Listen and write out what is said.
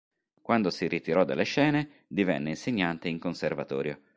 Quando si ritirò dalle scene divenne insegnante in Conservatorio.